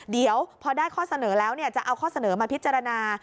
เดี๋ยวพอได้ข้อเสนอแล้วจะเอาข้อเสนอมาพิจารณา